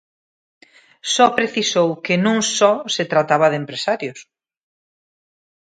Só precisou que non só se trataba de empresarios.